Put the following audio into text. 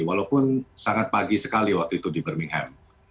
walaupun sangat pagi sekali waktu itu di birmingham